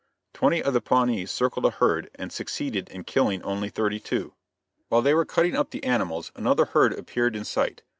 Twenty of the Pawnees circled a herd and succeeded in killing only thirty two. "While they were cutting up the animals another herd appeared in sight.